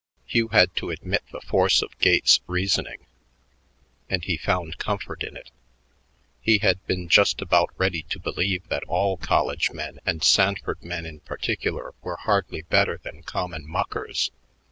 Hugh had to admit the force of Gates's reasoning, and he found comfort in it. He had been just about ready to believe that all college men and Sanford men in particular were hardly better than common muckers.